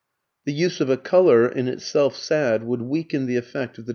The use of a colour, in itself sad, would weaken the effect of the dramatic whole.